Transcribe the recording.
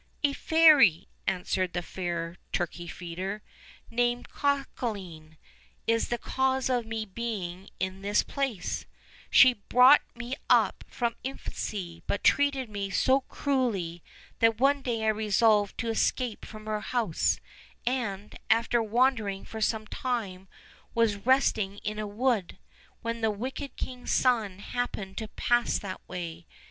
"A fairy," answered the fair turkey feeder, "named Caucaline, is the cause of my being in this place: she brought me up from infancy, but treated me so cruelly that one day I resolved to escape from her house, and, after wandering for some time, was resting in a wood, when the wicked king's son happened to pass that way.